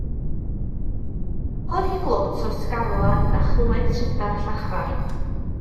Gwelodd hi glwt o sgarlad a chlywed trydar llachar.